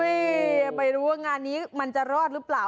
ไม่รู้ว่างานนี้มันจะรอดหรือเปล่า